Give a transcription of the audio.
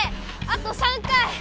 あと３回！